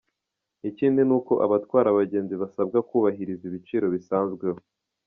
Ikindi ni uko abatwara abagenzi basabwa kubahiriza ibiciro bisanzweho.